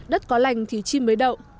đất có lành thì chim mới đậu